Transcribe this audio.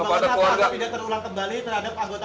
imbawan dari polri pak